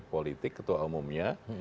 politik ketua umumnya